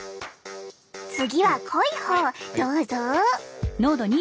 次は濃いほうどうぞ！